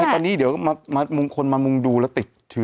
ตอนนี้เดี๋ยวคนมามุงดูแล้วติดเชื้อ